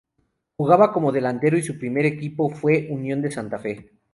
Jugaba como delantero y su primer equipo fue Unión de Santa Fe.